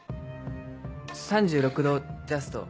３６℃ジャスト。